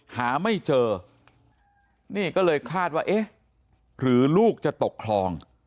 หาไม่เจอนี่ก็เลยคาดว่าเอ๊ะหรือลูกจะตกคลอง